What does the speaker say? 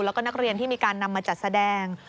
แล้วก็นักเรียนที่มีการนำมาจัดแสดง